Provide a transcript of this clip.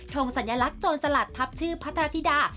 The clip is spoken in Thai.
งสัญลักษณ์โจรสลัดทับชื่อพัทรธิดา